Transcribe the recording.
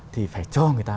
thì phải cho người ta